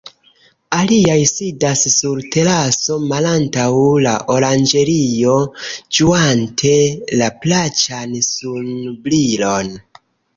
Aliaj sidas sur teraso malantaŭ la oranĝerio, ĝuante la plaĉan sunbrilon.